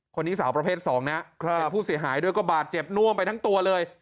คนนี้สาวประเภท๒นะเป็นผู้เสียหายด้วยก็บาดเจ็บน่วมไปทั้งตัวเลย